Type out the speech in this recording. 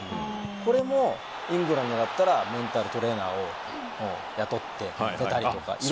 これもイングランドだったらメンタルトレーナーを雇ってたりとか。